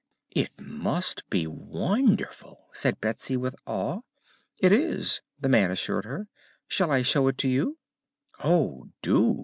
"It must be wonderful," said Betsy, with awe. "It is," the man assured her. "Shall I show it to you?" "Oh, do!"